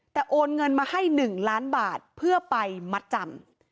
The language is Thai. แต่โอนเงินมาให้๑ล้านบาทเพื่อไปมัดจำ